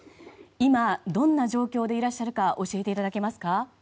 今、どんな状況でいらっしゃるか教えていただけますか。